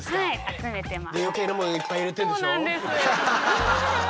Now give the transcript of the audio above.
集めてます。